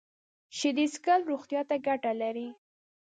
شیدې څښل روغتیا ته ګټه لري